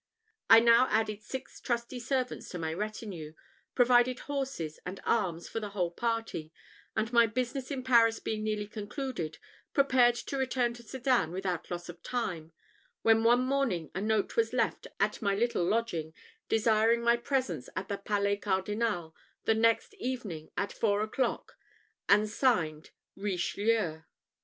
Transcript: I now added six trusty servants to my retinue, provided horses and arms for the whole party, and my business in Paris being nearly concluded, prepared to return to Sedan without loss of time; when one morning a note was left at my little lodging, desiring my presence at the Palais Cardinal the next evening at four o'clock, and signed "Richelieu."